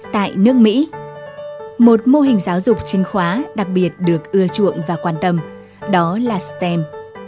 tại nước mỹ một mô hình giáo dục chính khóa đặc biệt được ưa chuộng và quan tâm đó là stem